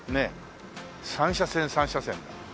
３車線３車線だ。